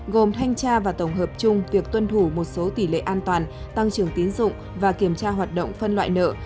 gồm thanh tra và tổng hợp chung việc tuân thủ một số tỷ lệ an toàn tăng trưởng tiến dụng và kiểm tra hoạt động phân loại nợ